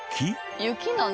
雪なの？